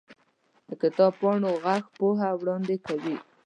د کتاب پاڼو ږغ پوهه وړاندې کوي.